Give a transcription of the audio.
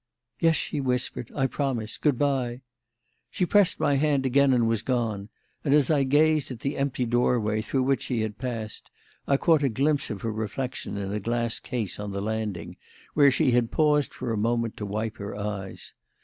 "Yes," she whispered: "I promise. Good bye." She pressed my hand again and was gone; and, as I gazed at the empty doorway through which she had passed, I caught a glimpse of her reflection in a glass case on the landing, where she had paused for a moment to wipe her eyes.